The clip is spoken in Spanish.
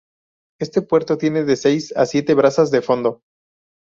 Este puerto tiene de seis a siete brazas de fondo.